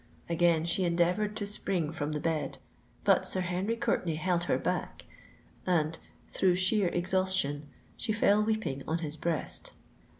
Again she endeavoured to spring from the bed; but Sir Henry Courtenay held her back—and, through sheer exhaustion, she fell weeping on his breast.